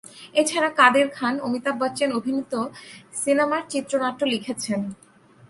এছাড়া কাদের খান অমিতাভ বচ্চন অভিনীত সিনেমার চিত্রনাট্য লিখেছেন।